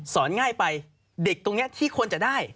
สอนง่ายไปเด็กตรงเนี่ยที่คนจะได้